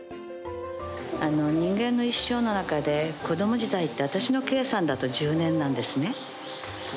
人間の一生の中で子供時代って私の計算だと１０年なんですね。